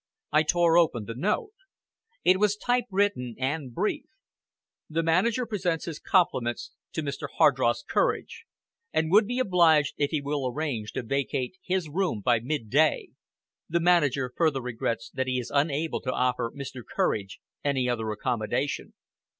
I tore open the note. It was typewritten and brief: "The manager presents his compliments to Mr. Hardross Courage, and would be obliged if he will arrange to vacate his room by midday. The manager further regrets that he is unable to offer Mr. Courage any other accommodation."